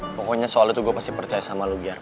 pokoknya soalnya tuh gua pasti percaya sama lu gyer